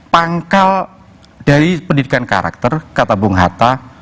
pangkal dari pendidikan karakter kata bung hatta